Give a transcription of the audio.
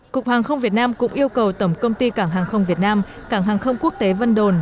cục hàng không việt nam cũng yêu cầu tổng công ty cảng hàng không việt nam cảng hàng không quốc tế vân đồn